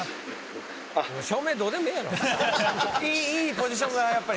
いいポジションがやっぱり。